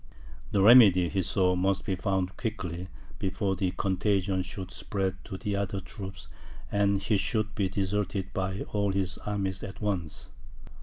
The remedy, he saw, must be found quickly, before the contagion should spread to the other troops, and he should be deserted by all his armies at once.